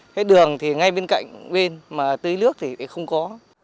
cái đường thì ngay bên cạnh bên mà tưới nước thì không có